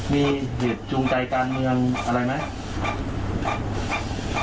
มีเหตุจูงใจการเมืองอะไรไหม